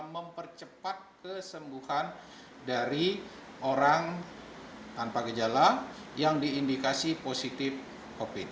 mempercepat kesembuhan dari orang tanpa gejala yang diindikasi positif covid